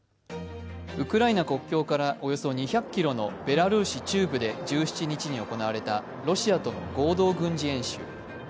ウクライナ国境からおよそ２００ｋｍのベラルーシ中部で１７日に行われたロシアとの合同軍事演習。